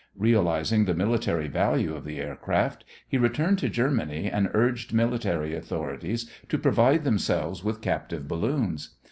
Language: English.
Realizing the military value of the aircraft, he returned to Germany and urged military authorities to provide themselves with captive balloons.